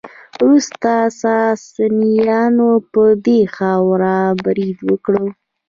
وروسته ساسانیانو په دې خاوره برید وکړ